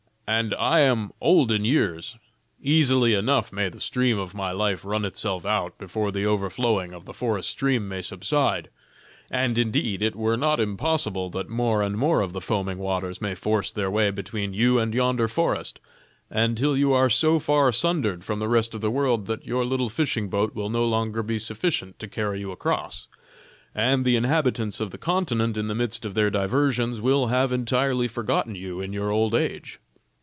"And I am old in years. Easily enough may the stream of my life run itself out before the overflowing of the forest stream may subside. And indeed it were not impossible that more and more of the foaming waters may force their way between you and yonder forest, until you are so far sundered from the rest of the world that your little fishing boat will no longer be sufficient to carry you across, and the inhabitants of the continent in the midst of their diversions will have entirely forgotten you in your old age."